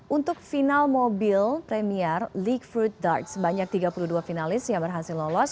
untuk final mobil premier league fruit dark sebanyak tiga puluh dua finalis yang berhasil lolos